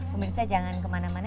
pemirsa jangan kemana mana